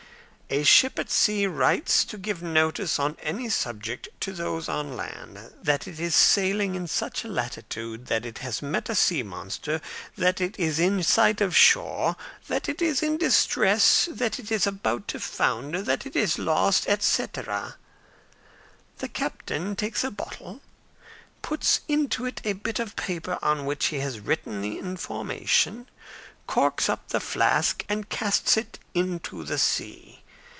"A ship at sea writes to give notice on any subject to those on land that it is sailing in such a latitude; that it has met a sea monster; that it is in sight of shore; that it is in distress; that it is about to founder; that it is lost, etc. The captain takes a bottle, puts into it a bit of paper on which he has written the information, corks up the flask, and casts it into the sea.